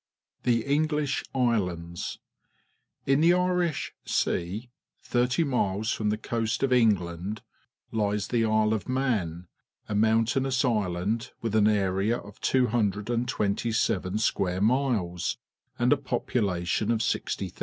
The English Islands. — In the Irish Sea, thirty miles from the coast of England, lies the Isle of Man, a mountainous island with an area of 227 square miles and a population of 60,000.